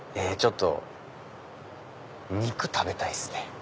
ちょっと肉食べたいっすね。